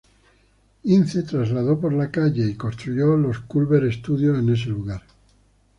Ince trasladó por la calle y construyó los Culver Studios en ese lugar.